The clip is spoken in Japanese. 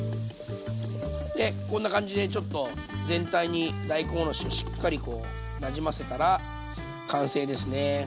でこんな感じでちょっと全体に大根おろしをしっかりなじませたら完成ですね。